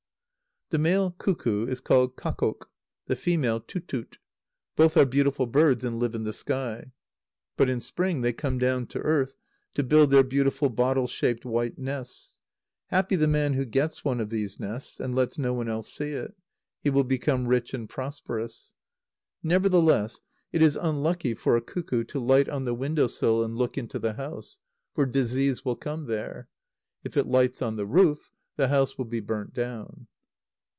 _ The male cuckoo is called kakkok, the female tutut. Both are beautiful birds, and live in the sky. But in spring they come down to earth, to build their beautiful bottle shaped white nests. Happy the man who gets one of these nests, and lets no one else see it. He will become rich and prosperous. Nevertheless, it is unlucky for a cuckoo to light on the window sill and look into the house; for disease will come there. If it lights on the roof, the house will be burnt down.